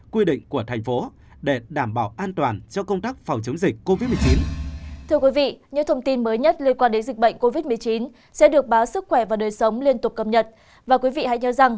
quy định của thành phố để đảm bảo an toàn cho công tác phòng chống dịch covid một mươi chín mới nhất